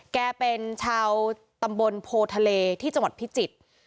แกเป็นชาวตำบลโพทะเลที่จังหวัดพิจิตร